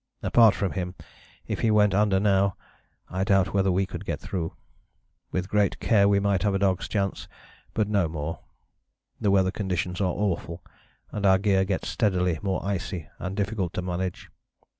Apart from him, if he went under now, I doubt whether we could get through. With great care we might have a dog's chance, but no more. The weather conditions are awful, and our gear gets steadily more icy and difficult to manage....